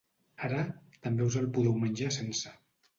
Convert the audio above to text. Ara, també us el podeu menjar sense.